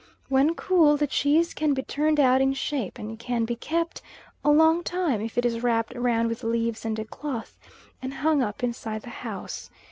When cool, the cheese can be turned out in shape, and can be kept a long time if it is wrapped round with leaves and a cloth, and hung up inside the house.